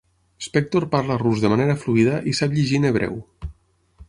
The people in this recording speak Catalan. Spektor parla rus de manera fluïda i sap llegir en hebreu.